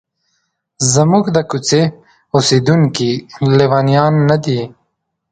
زموږ د کوڅې اوسیدونکي لیونیان نه دي.